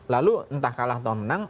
lalu entah kalah atau menang